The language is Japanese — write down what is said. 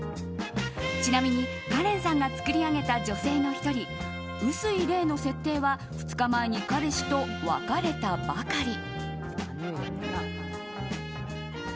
ちなみに、カレンさんが作り上げた女性の１人ウスイレイの設定は２日前に彼氏と別れたばかり。